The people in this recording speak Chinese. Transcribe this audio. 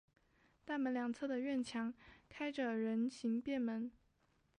大门两侧的院墙开着人行便门。